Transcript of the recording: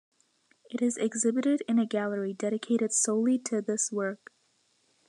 It is exhibited in a gallery dedicated solely to this work.